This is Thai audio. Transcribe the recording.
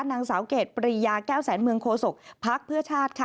นางสาวเกดปริยาแก้วแสนเมืองโคสกพรรคเพื่อชาติ